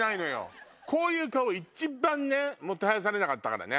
こういう顔一番ねもてはやされなかったからね。